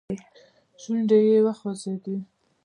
شونډې يې وخوځېدې.